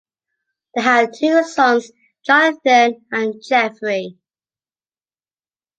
They had two sons Jonathan and Jeffrey.